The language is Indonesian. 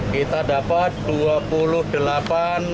kita dapat dua